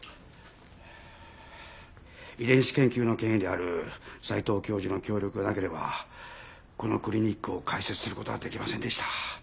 遺伝子研究の権威である斎藤教授の協力がなければこのクリニックを開設する事はできませんでした。